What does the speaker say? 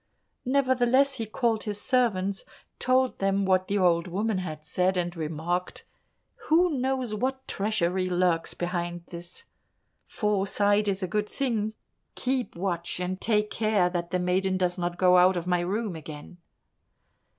Nevertheless he called his servants, told them what the old woman had said, and remarked, "Who knows what treachery lurks behind this? Foresight is a good thing keep watch, and take care that the maiden does not go out of my room again."